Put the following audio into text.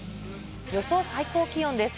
予想最高気温です。